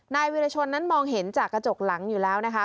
นายวิรชนนั้นมองเห็นจากกระจกหลังอยู่แล้วนะคะ